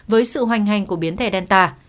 với sự hoành hành của biến thể delta